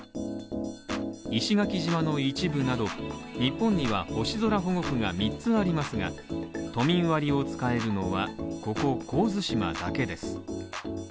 石垣島の一部など日本には星空保護区が三つありますが、都民割を使えるのは、ここ神津島だけです。